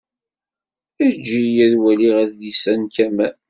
Ejj-iyi ad waliɣ adlis-a n Kamal.